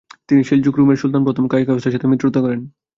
তিনি সেলজুক রুমের সুলতান প্রথম কায়কাউসের সাথে মিত্রতা করেন।